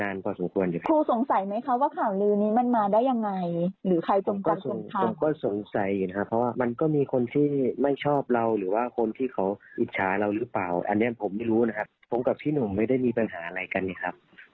อันนี้ผมไม่รู้นะครับผมกับพี่หนุ่มไม่ได้มีปัญหาอะไรกันนะครับ